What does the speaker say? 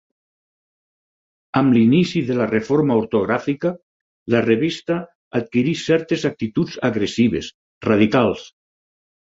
Amb l'inici de la reforma ortogràfica, la revista adquirí certes actituds agressives, radicals.